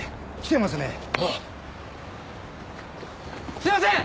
すいません！